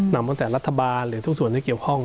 ตั้งแต่รัฐบาลหรือทุกส่วนที่เกี่ยวข้อง